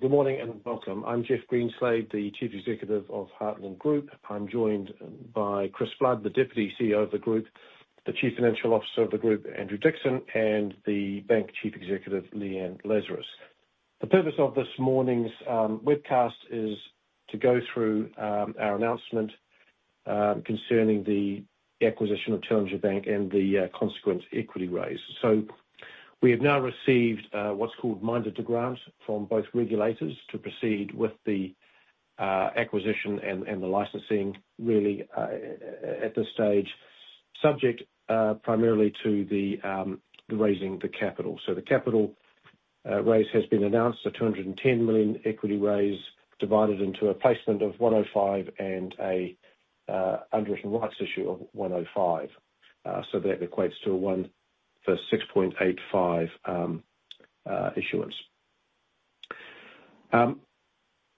Good morning, and welcome. I'm Jeff Greenslade, the Chief Executive of Heartland Group. I'm joined by Chris Flood, the Deputy CEO of the group, the Chief Financial Officer of the group, Andrew Dixson, and the Bank Chief Executive, Leanne Lazarus. The purpose of this morning's webcast is to go through our announcement concerning the acquisition of Challenger Bank and the consequent equity raise. So we have now received what's called minded to grant from both regulators to proceed with the acquisition and the licensing, really at this stage, subject primarily to the raising the capital. So the capital raise has been announced, a 210 million equity raise, divided into a placement of 105 million and a underwritten rights issue of 105 million. So that equates to a 1 for 6.85 issuance.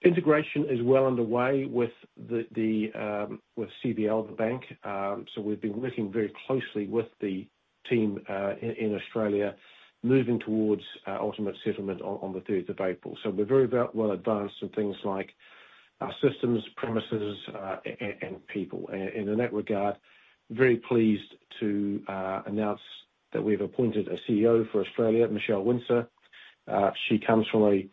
Integration is well underway with CBL, the bank. So we've been working very closely with the team in Australia, moving towards ultimate settlement on the third of April. So we're very well advanced on things like our systems, premises, and people. And in that regard, very pleased to announce that we've appointed a CEO for Australia, Michelle Winzer. She comes from an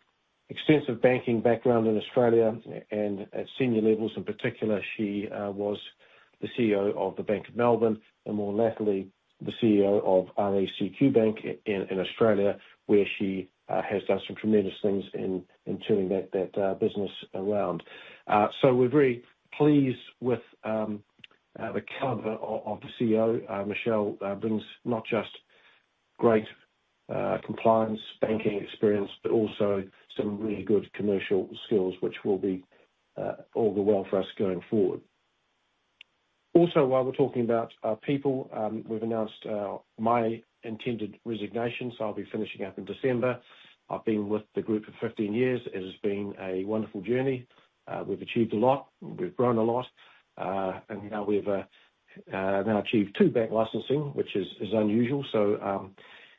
extensive banking background in Australia, and at senior levels in particular, she was the CEO of the Bank of Melbourne, and more lately, the CEO of RACQ Bank in Australia, where she has done some tremendous things in turning that business around. So we're very pleased with the caliber of the CEO. Michelle brings not just great compliance banking experience, but also some really good commercial skills, which will be all the well for us going forward. Also, while we're talking about our people, we've announced my intended resignation, so I'll be finishing up in December. I've been with the group for 15 years. It has been a wonderful journey. We've achieved a lot. We've grown a lot. And now we've achieved two bank licensing, which is unusual. So,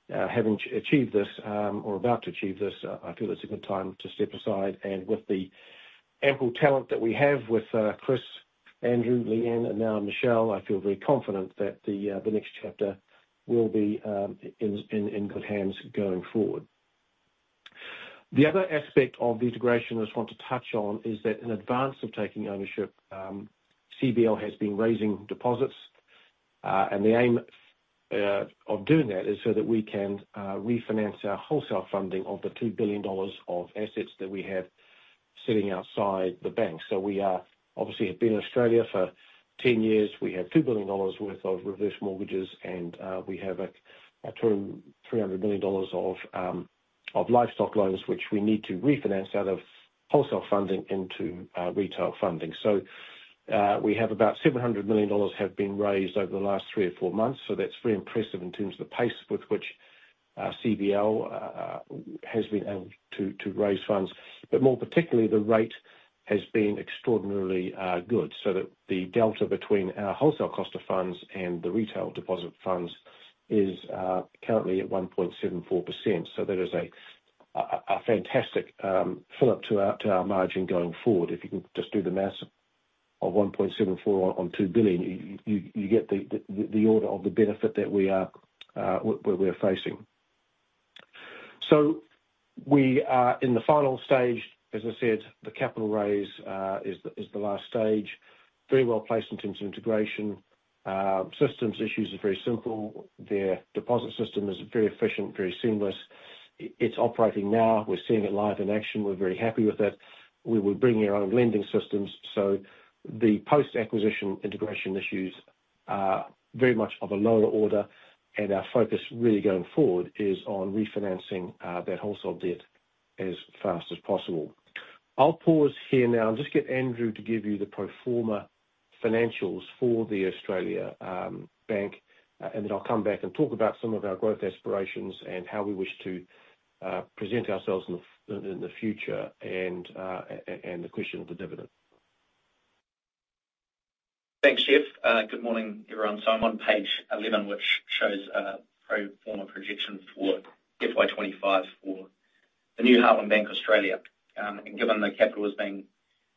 having achieved this, or about to achieve this, I feel it's a good time to step aside. And with the ample talent that we have with Chris, Andrew, Leanne, and now Michelle, I feel very confident that the next chapter will be in good hands going forward. The other aspect of the integration I just want to touch on is that in advance of taking ownership, CBL has been raising deposits. The aim of doing that is so that we can refinance our wholesale funding of the 2 billion dollars of assets that we have sitting outside the bank. So we are obviously have been in Australia for 10 years. We have 2 billion dollars worth of reverse mortgages, and we have a 200 million-300 million dollars of livestock loans, which we need to refinance out of wholesale funding into retail funding. So we have about 700 million dollars have been raised over the last 3 or 4 months, so that's very impressive in terms of the pace with which CBL has been able to raise funds. But more particularly, the rate has been extraordinarily good, so that the delta between our wholesale cost of funds and the retail deposit funds is currently at 1.74%. So that is a fantastic fillip to our margin going forward. If you can just do the math of 1.74% on 2 billion, you get the order of the benefit that we are facing. So we are in the final stage. As I said, the capital raise is the last stage. Very well placed in terms of integration. Systems issues are very simple. Their deposit system is very efficient, very seamless. It's operating now. We're seeing it live in action. We're very happy with it. We will bring in our own lending systems, so the post-acquisition integration issues are very much of a lower order, and our focus really going forward is on refinancing that wholesale debt as fast as possible. I'll pause here now and just get Andrew to give you the pro forma financials for the Australian bank, and then I'll come back and talk about some of our growth aspirations, and how we wish to present ourselves in the future, and the question of the dividend. Thanks, Jeff. Good morning, everyone. So I'm on Page 11, which shows a pro forma projection for FY 25 for the new Heartland Bank Australia. And given the capital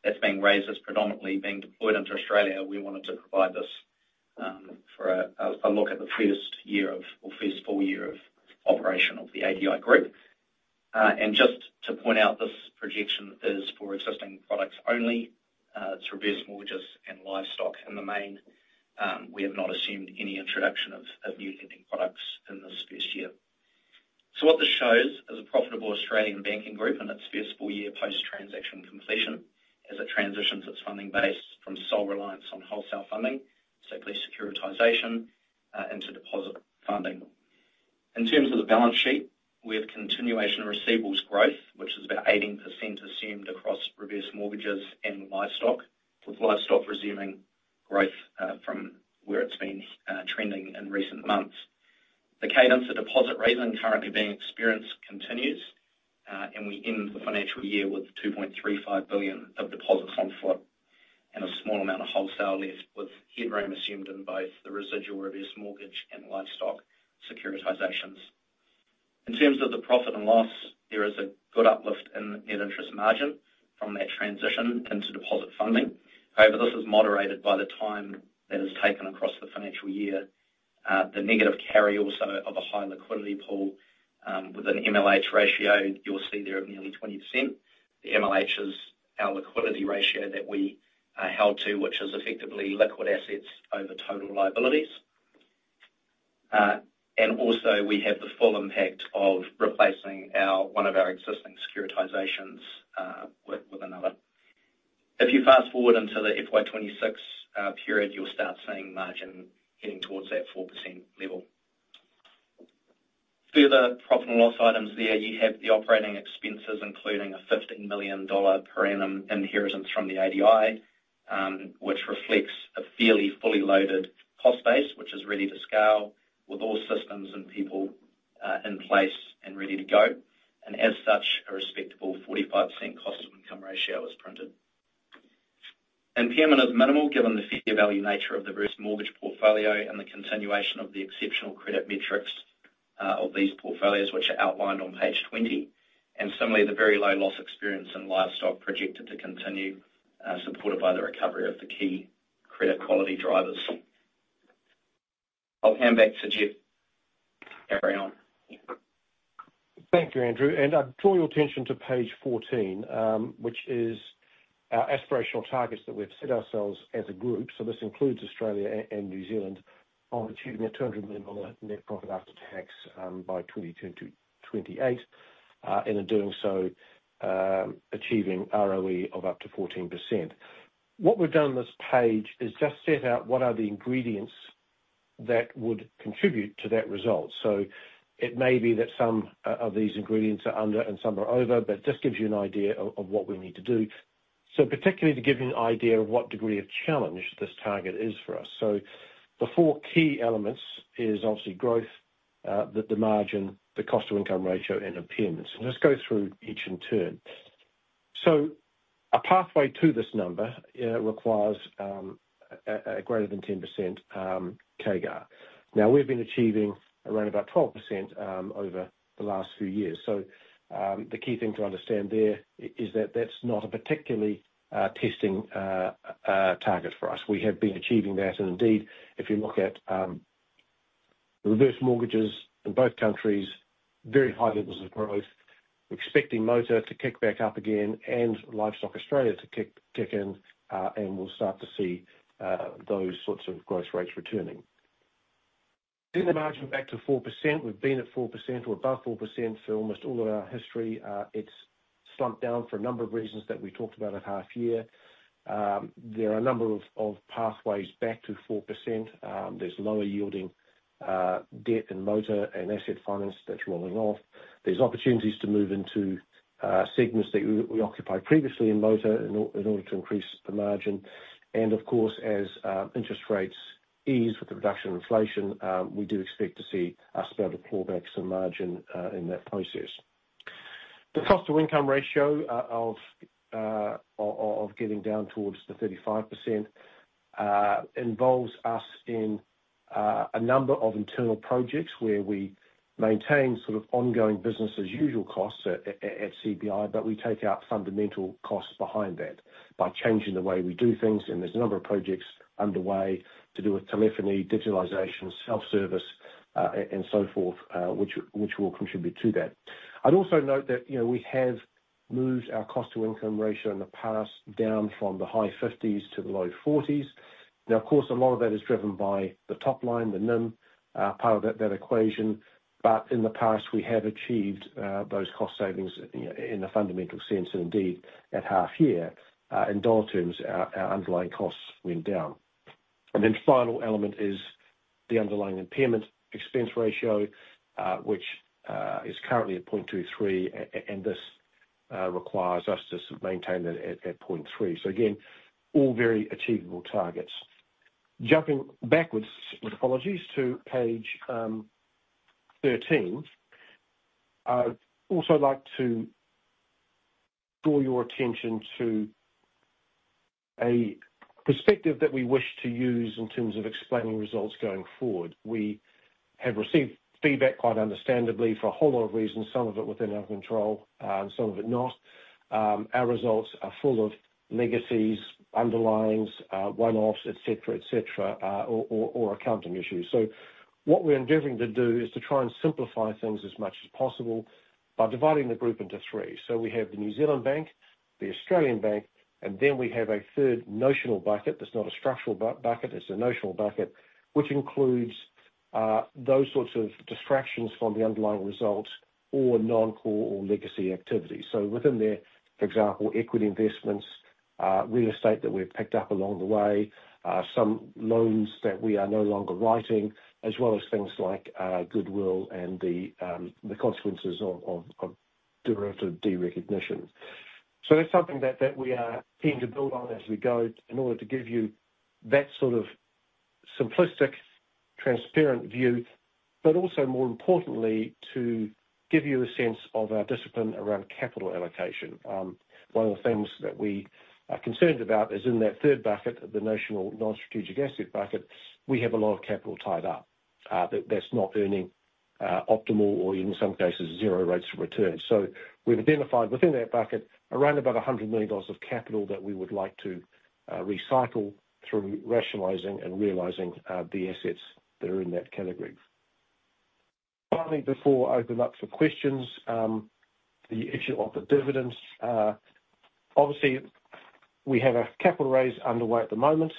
that's being raised is predominantly being deployed into Australia, we wanted to provide this for a look at the first year of, or first full year of operation of the ADI group. And just to point out, this projection is for existing products only. It's reverse mortgages and livestock in the main. We have not assumed any introduction of new lending products in this first year. So what this shows is a profitable Australian banking group in its first full year post-transaction completion, as it transitions its funding base from sole reliance on wholesale funding, simply securitization, into deposit funding. In terms of the balance sheet, we have continuation of receivables growth, which is about 18% assumed across reverse mortgages and livestock, with livestock resuming growth from where it's been trending in recent months. The cadence of deposit raising currently being experienced continues, and we end the financial year with 2.35 billion of deposits on foot and a small amount of wholesale left, with headroom assumed in both the residual reverse mortgage and livestock securitizations. In terms of the profit and loss, there is a good uplift in net interest margin from that transition into deposit funding. However, this is moderated by the time that is taken across the financial year. The negative carry also of a high liquidity pool, with an MLH ratio, you'll see there of nearly 20%. The MLH is our liquidity ratio that we held to, which is effectively liquid assets over total liabilities. And also, we have the full impact of replacing our one of our existing securitizations with another. If you fast forward into the FY 26 period, you'll start seeing margin getting towards that 4% level. Further profit and loss items there, you have the operating expenses, including a 15 million dollar per annum inheritance from the ADI, which reflects a fairly fully loaded cost base, which is ready to scale with all systems and people in place and ready to go. And as such, a respectable 45% cost-to-income ratio is printed. Impairment is minimal, given the fair value nature of the reverse mortgage portfolio and the continuation of the exceptional credit metrics of these portfolios, which are outlined on Page 20. Similarly, the very low loss experience in livestock projected to continue, supported by the recovery of the key credit quality drivers. I'll hand back to Jeff to carry on. Thank you, Andrew, and I draw your attention to Page 14, which is our aspirational targets that we've set ourselves as a group, so this includes Australia and New Zealand, on achieving a 200 million net profit after tax, by 2027 to 2028, and in doing so, achieving ROE of up to 14%. What we've done on this page is just set out what are the ingredients that would contribute to that result. So it may be that some of these ingredients are under and some are over, but it just gives you an idea of what we need to do. So particularly to give you an idea of what degree of challenge this target is for us. So the four key elements is obviously growth, the margin, the cost-to-income ratio, and impairments. Let's go through each in turn. A pathway to this number requires a greater than 10% CAGR. Now, we've been achieving around about 12% over the last few years. The key thing to understand there is that that's not a particularly testing target for us. We have been achieving that, and indeed, if you look at the reverse mortgages in both countries, very high levels of growth. We're expecting motor to kick back up again and Livestock Australia to kick in, and we'll start to see those sorts of growth rates returning. Getting the margin back to 4%, we've been at 4% or above 4% for almost all of our history. It's slumped down for a number of reasons that we talked about at half year. There are a number of pathways back to 4%. There's lower yielding debt in motor and asset finance that's rolling off. There's opportunities to move into segments that we occupied previously in motor in order to increase the margin. And of course, as interest rates ease with the reduction in inflation, we do expect to see us be able to claw back some margin in that process. The cost-to-income ratio of getting down towards the 35% involves us in a number of internal projects where we maintain sort of ongoing business as usual costs at HBA, but we take out fundamental costs behind that by changing the way we do things, and there's a number of projects underway to do with telephony, digitalization, self-service, and so forth, which will contribute to that. I'd also note that, you know, we have moved our cost-to-income ratio in the past, down from the high 50s% to the low 40s%. Now, of course, a lot of that is driven by the top line, the NIM, part of that, that equation, but in the past, we have achieved those cost savings in a fundamental sense, and indeed, at half year, in dollar terms, our underlying costs went down. And then final element is the underlying impairment expense ratio, which is currently at 0.23, and this requires us to sort of maintain that at 0.3. So again, all very achievable targets. Jumping backwards, with apologies, to Page 13. I'd also like to draw your attention to a perspective that we wish to use in terms of explaining results going forward. We have received feedback, quite understandably, for a whole lot of reasons, some of it within our control, and some of it not. Our results are full of legacies, underlyings, one-offs, et cetera, et cetera, or accounting issues. So what we're endeavoring to do is to try and simplify things as much as possible by dividing the group into three. So we have the New Zealand Bank, the Australian Bank, and then we have a third notional bucket. That's not a structural bucket, it's a notional bucket, which includes those sorts of distractions from the underlying results or non-core or legacy activities. So within there, for example, equity investments, real estate that we've picked up along the way, some loans that we are no longer writing, as well as things like goodwill and the consequences of derivative derecognition. So that's something that we are keen to build on as we go in order to give you that sort of simplistic, transparent view, but also more importantly, to give you a sense of our discipline around capital allocation. One of the things that we are concerned about is in that third bucket, the notional non-strategic asset bucket, we have a lot of capital tied up, that that's not earning, optimal or in some cases, zero rates of return. So we've identified within that bucket, around 100 million dollars of capital that we would like to recycle through rationalizing and realizing, the assets that are in that category. Finally, before I open up for questions, the issue of the dividends. Obviously, we have a capital raise underway at the moment,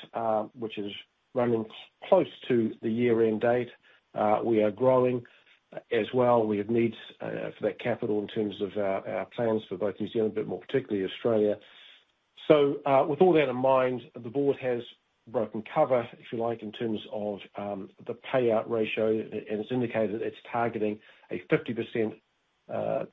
which is running close to the year-end date. We are growing as well. We have needs for that capital in terms of our, our plans for both New Zealand, but more particularly Australia. So, with all that in mind, the board has broken cover, if you like, in terms of the payout ratio, and it's indicated it's targeting a 50%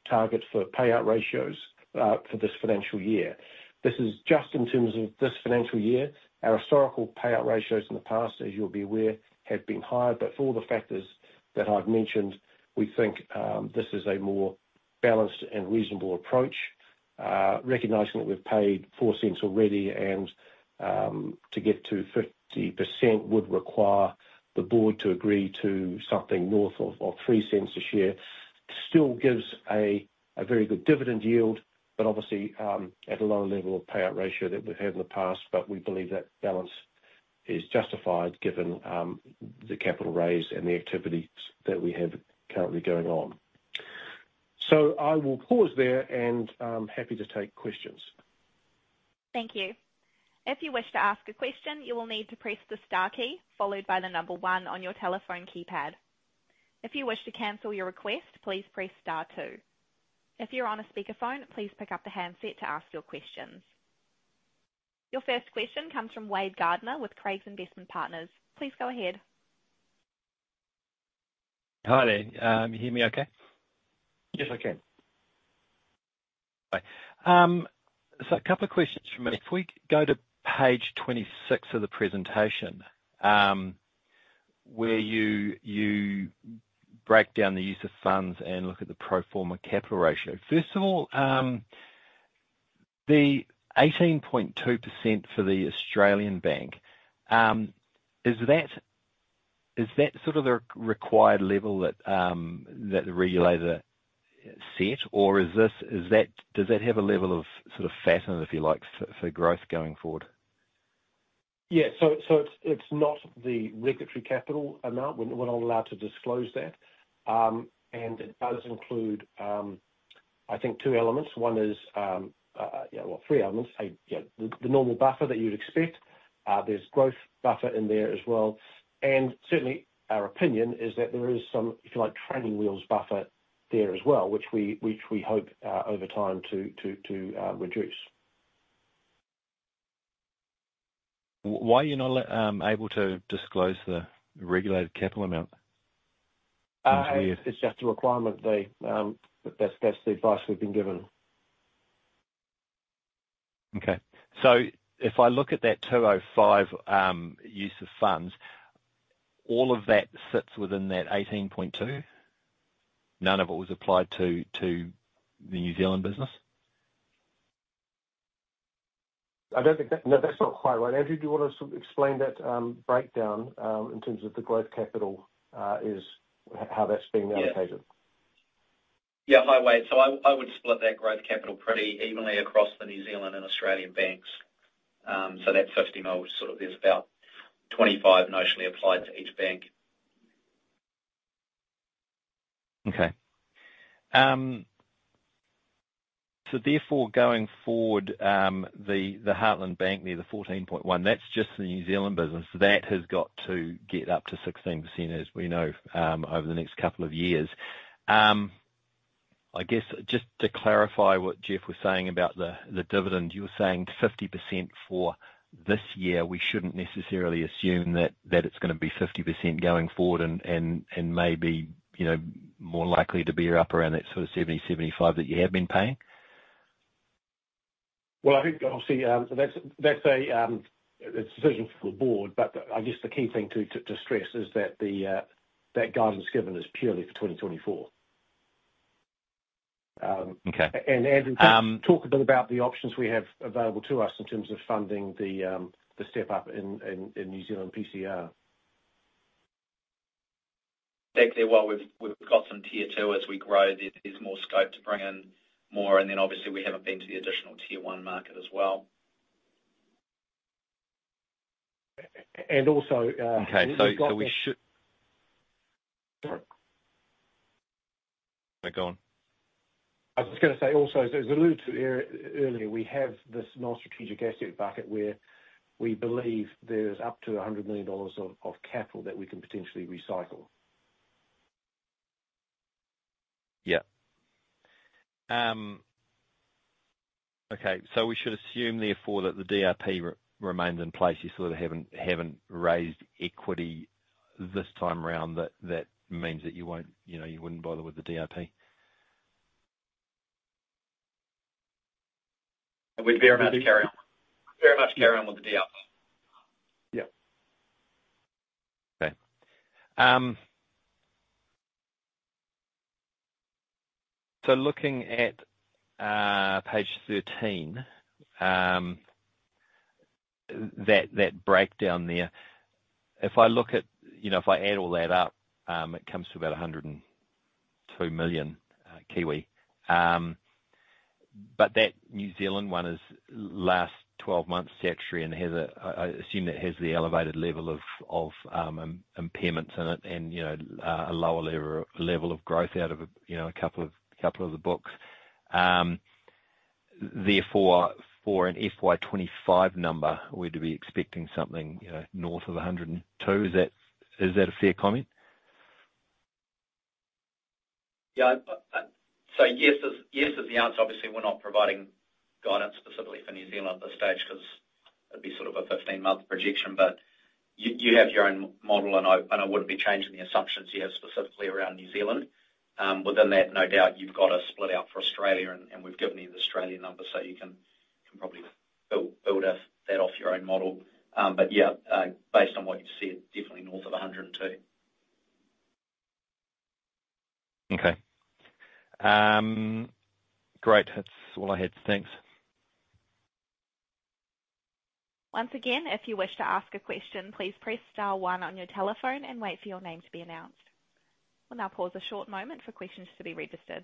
target for payout ratios for this financial year. This is just in terms of this financial year. Our historical payout ratios in the past, as you'll be aware, have been higher, but for all the factors that I've mentioned, we think this is a more balanced and reasonable approach. Recognizing that we've paid 0.04 already, and to get to 50% would require the board to agree to something north of three cents a share. Still gives a very good dividend yield, but obviously, at a lower level of payout ratio than we've had in the past. But we believe that balance is justified, given, the capital raise and the activities that we have currently going on. So I will pause there, and I'm happy to take questions. Thank you. If you wish to ask a question, you will need to press the star key, followed by the number one on your telephone keypad. If you wish to cancel your request, please press star two. If you're on a speakerphone, please pick up the handset to ask your questions. Your first question comes from Wade Gardiner with Craigs Investment Partners. Please go ahead. Hi there. You hear me okay? Yes, I can. Okay. So a couple of questions from me. If we go to Page 26 of the presentation, where you break down the use of funds and look at the pro forma capital ratio. First of all, the 18.2% for the Australian Bank, is that sort of the required level that the regulator set? Or does that have a level of sort of fat in it, if you like, for growth going forward? Yeah. So it's not the regulatory capital amount. We're not allowed to disclose that. And it does include, I think two elements. One is, yeah, well, three elements. A, yeah, the normal buffer that you'd expect. There's growth buffer in there as well. And certainly, our opinion is that there is some, if you like, training wheels buffer there as well, which we hope over time to reduce. Why are you not able to disclose the regulated capital amount? It's just a requirement. That's the advice we've been given. Okay. So if I look at that 205 use of funds, all of that sits within that 18.2? None of it was applied to the New Zealand business? I don't think that—no, that's not quite right. Andrew, do you want to sort of explain that breakdown in terms of the growth capital, is how that's being allocated? Yeah. Yeah. Hi, Wade. I would split that growth capital pretty evenly across the New Zealand and Australian banks. So that's 50 million, which sort of is about 25 million notionally applied to each bank. Okay. So therefore, going forward, the Heartland Bank, the 14.1, that's just the New Zealand business. That has got to get up to 16%, as we know, over the next couple of years. I guess just to clarify what Jeff was saying about the dividend, you were saying 50% for this year. We shouldn't necessarily assume that it's gonna be 50% going forward and maybe, you know, more likely to be up around that sort of 70-75 that you have been paying? Well, I think, obviously, that's a decision for the board, but I guess the key thing to stress is that the guidance given is purely for 2024. Okay. Andrew, talk a bit about the options we have available to us in terms of funding the step-up in New Zealand TCR. Actually, well, we've got some Tier 2 as we grow. There's more scope to bring in more, and then obviously we haven't been to the Additional Tier 1 market as well. And also— Okay. Sorry. Go on. I was just gonna say also, as I alluded to earlier, we have this non-strategic asset bucket, where we believe there's up to 100 million dollars of capital that we can potentially recycle. Yeah. Okay, so we should assume, therefore, that the DRP remains in place. You sort of haven't raised equity this time around, that means that you won't, you know, you wouldn't bother with the DRP? And we'd very much carry on, very much carry on with the DRP. Yeah. Okay. So looking at, Page 13, that breakdown there, if I look at— you know, if I add all that up, it comes to about 102 million, kiwi. But that New Zealand one is last 12 months statutory and has a, I assume that has the elevated level of, of, impairments in it and, you know, a lower lever, level of growth out of a, you know, a couple of, couple of the books. Therefore, for an FY 2025 number, we're to be expecting something, you know, north of 102. Is that a fair comment? Yeah, so yes is the answer. Obviously, we're not providing guidance specifically for New Zealand at this stage, because it'd be sort of a 15-month projection. But you have your own model, and I wouldn't be changing the assumptions you have specifically around New Zealand. Within that, no doubt, you've got a split out for Australia and we've given you the Australian numbers, so you can probably build up that off your own model. But yeah, based on what you've said, definitely north of 102. Okay. Great. That's all I had. Thanks. Once again, if you wish to ask a question, please press star one on your telephone and wait for your name to be announced. We'll now pause a short moment for questions to be registered.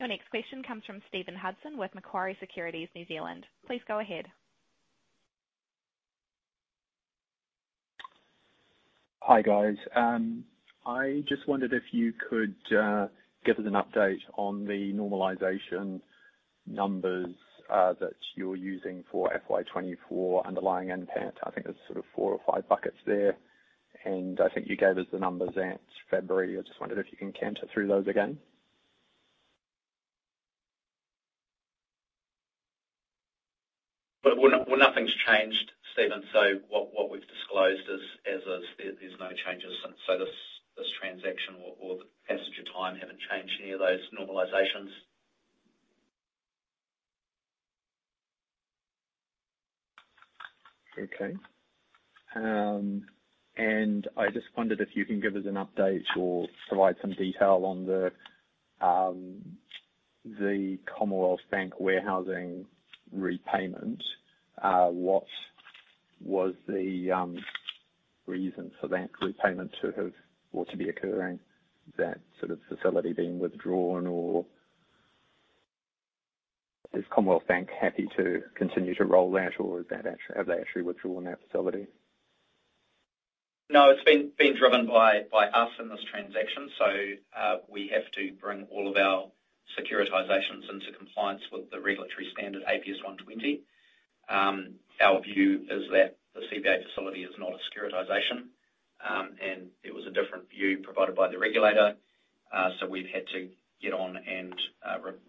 Your next question comes from Stephen Hudson with Macquarie Securities, New Zealand. Please go ahead. Hi, guys. I just wondered if you could give us an update on the normalization numbers that you're using for FY 2024 underlying NPAT. I think there's sort of four or five buckets there, and I think you gave us the numbers at February. I just wondered if you can canter through those again. But well, nothing's changed, Stephen. So what we've disclosed is, as is, there's no changes since. So this transaction or the passage of time haven't changed any of those normalizations. Okay. And I just wondered if you can give us an update or provide some detail on the, the Commonwealth Bank warehousing repayment. What was the, reason for that repayment to have or to be occurring, that sort of facility being withdrawn, or is Commonwealth Bank happy to continue to roll that, or is that actually—have they actually withdrawn that facility? No, it's been driven by us in this transaction, so we have to bring all of our securitizations into compliance with the regulatory standard, APRA 120. Our view is that the CBA facility is not a securitization, and there was a different view provided by the regulator. So we've had to get on and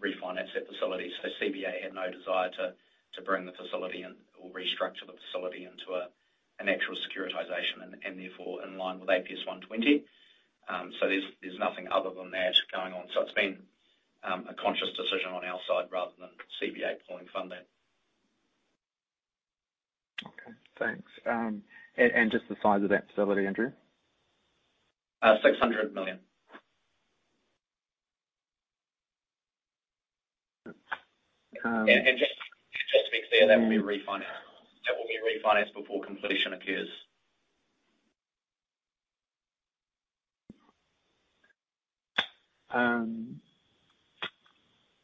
refinance that facility. So CBA had no desire to bring the facility in or restructure the facility into an actual securitization and therefore in line with APRA 120. So there's nothing other than that going on. So it's been a conscious decision on our side rather than CBA pulling funding. Okay, thanks. And just the size of that facility, Andrew? NZD 600 million. And just to be clear, that will be refinanced. That will be refinanced before completion occurs.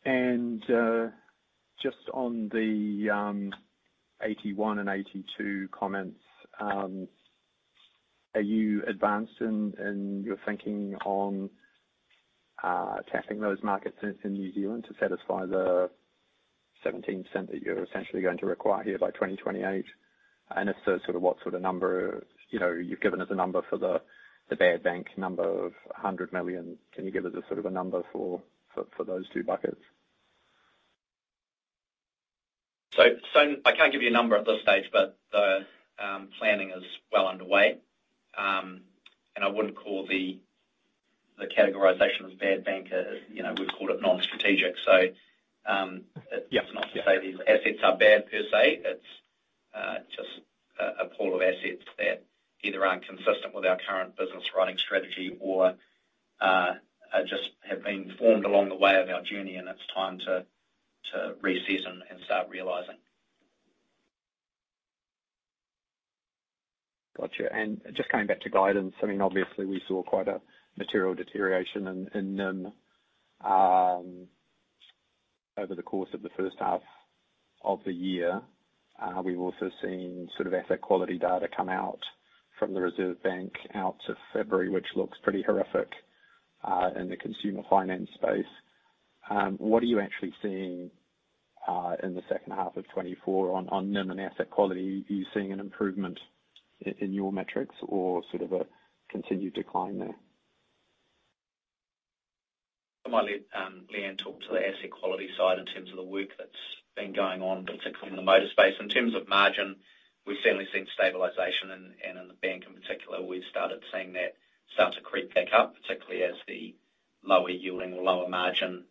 And, just on the AT1 and T2 comments, are you advanced in your thinking on tapping those markets in New Zealand to satisfy the 17% that you're essentially going to require here by 2028? And if so, sort of, what sort of number—you know, you've given us a number for the bad bank number of 100 million. Can you give us a sort of a number for those two buckets? So I can't give you a number at this stage, but the planning is well underway. And I wouldn't call the categorization of bad bank, you know, we've called it non-strategic. So— Yeah. It's not to say these assets are bad per se. It's just a pool of assets that either aren't consistent with our current business running strategy or just have been formed along the way of our journey, and it's time to reassess and start realizing. Gotcha. And just coming back to guidance, I mean, obviously we saw quite a material deterioration in over the course of the first half of the year. We've also seen sort of asset quality data come out from the Reserve Bank out to February, which looks pretty horrific in the consumer finance space. What are you actually seeing in the second half of 2024 on NIM and asset quality? Are you seeing an improvement in your metrics or sort of a continued decline there? I'm gonna let Leanne talk to the asset quality side in terms of the work that's been going on, particularly in the motor space. In terms of margin, we've certainly seen stabilization, and in the bank in particular, we've started seeing that start to creep back up, particularly as the lower yielding or lower margin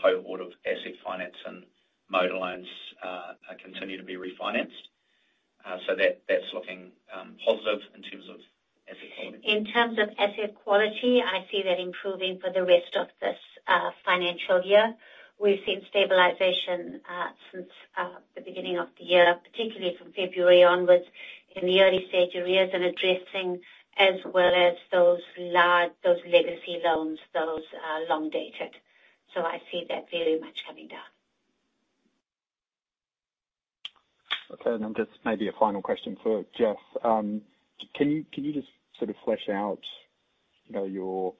cohort of asset finance and motor loans continue to be refinanced. So that's looking positive in terms of asset quality. In terms of asset quality, I see that improving for the rest of this financial year. We've seen stabilization since the beginning of the year, particularly from February onwards, in the early stage arrears and addressing, as well as those large, those legacy loans, those long dated. So I see that very much coming down. Okay, and then just maybe a final question for Jeff. Can you just sort of flesh out, you know, your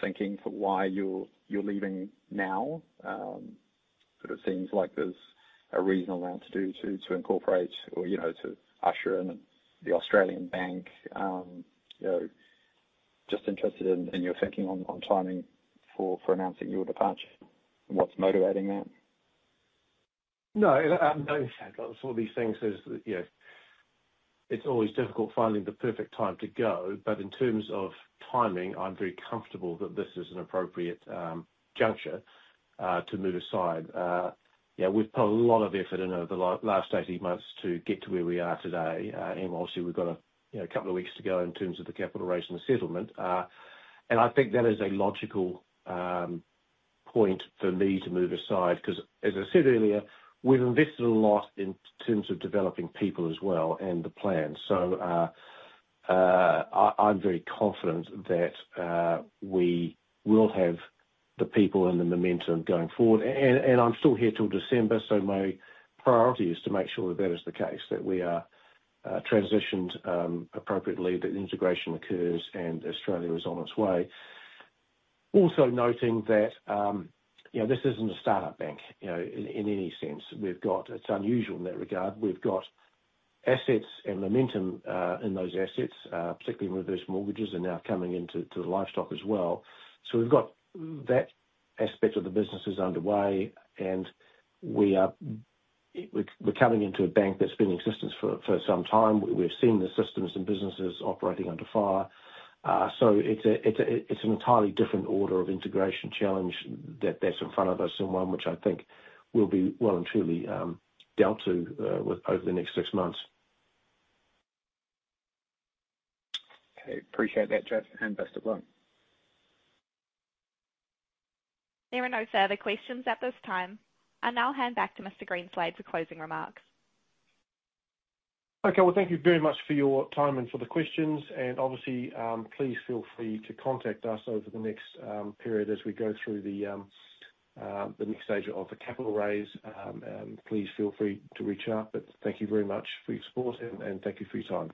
thinking for why you're leaving now? Sort of seems like there's a reasonable amount to do to incorporate or, you know, to usher in the Australian bank. You know, just interested in your thinking on timing for announcing your departure, and what's motivating that? No, no, sort of these things is, you know, it's always difficult finding the perfect time to go. But in terms of timing, I'm very comfortable that this is an appropriate juncture to move aside. Yeah, we've put a lot of effort in over the last 18 months to get to where we are today. And obviously, we've got a, you know, couple of weeks to go in terms of the capital raise and the settlement. And I think that is a logical point for me to move aside because as I said earlier, we've invested a lot in terms of developing people as well, and the plan. So, I, I'm very confident that we will have the people and the momentum going forward. I'm still here till December, so my priority is to make sure that that is the case, that we are transitioned appropriately, that integration occurs, and Australia is on its way. Also noting that, you know, this isn't a startup bank, you know, in any sense. We've got—it's unusual in that regard. We've got assets and momentum in those assets, particularly in reverse mortgages, and now coming into the livestock as well. So we've got that aspect of the business is underway, and we are coming into a bank that's been in existence for some time. We've seen the systems and businesses operating under FAR. So it's an entirely different order of integration challenge that's in front of us, and one which I think will be well and truly dealt to with over the next six months. Okay. Appreciate that, Jeff, and best of luck. There are no further questions at this time. I now hand back to Mr. Greenslade for closing remarks. Okay, well, thank you very much for your time and for the questions, and obviously, please feel free to contact us over the next period as we go through the next stage of the capital raise. And please feel free to reach out, but thank you very much for your support, and, and thank you for your time.